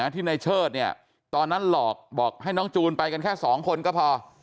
ที่ในเชิดเนี่ยตอนนั้นหลอกบอกให้น้องจูนไปกันแค่๒คนก็พอ